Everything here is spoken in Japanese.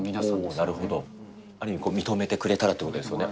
なるほど、ある意味、認めてくれたらってことですよね。